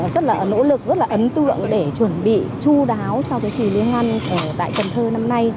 rất là nỗ lực rất là ấn tượng để chuẩn bị chú đáo cho cái kỳ liên hoan tại cần thơ năm nay